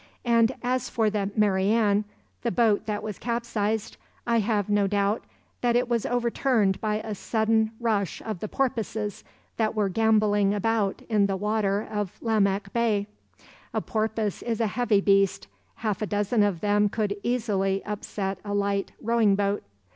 And, as for the Mary Ann, the boat that was capsized, I have no doubt that it was overturned by a sudden rush of the porpoises that were gamboling about in the water of Larnac Bay. A porpoise is a heavy beast—half a dozen of them could easily upset a light rowing boat.